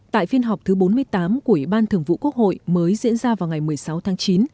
tại phiên họp thứ bốn mươi tám của ủy ban thường vụ quốc hội mới diễn ra vào ngày một mươi sáu tháng chín